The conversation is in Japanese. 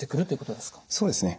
そうですね。